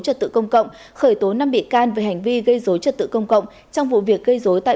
trật tự công cộng khởi tố năm bị can về hành vi gây dối trật tự công cộng trong vụ việc gây dối tại